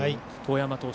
當山投手